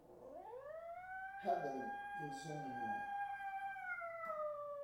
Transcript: Ḥadrem imeẓẓuɣen-nwen.